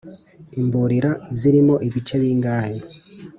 imburira zirimo ibice bingahe